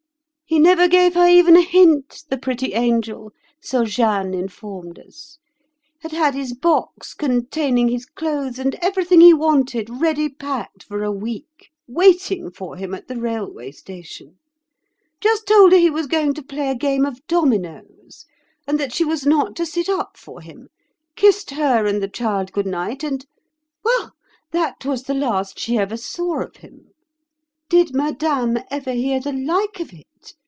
"'He never gave her even a hint, the pretty angel!' so Jeanne informed us. 'Had had his box containing his clothes and everything he wanted ready packed for a week, waiting for him at the railway station—just told her he was going to play a game of dominoes, and that she was not to sit up for him; kissed her and the child good night, and—well, that was the last she ever saw of him. Did Madame ever hear the like of it?